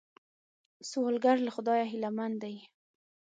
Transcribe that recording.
سوالګر له خدایه هیلمن دی